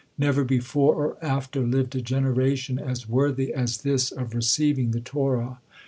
Never before or after lived a generation as worthy as this of receiving the Torah.